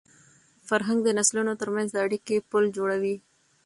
فرهنګ د نسلونو تر منځ د اړیکي پُل جوړوي.